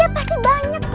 ya pasti banyak lah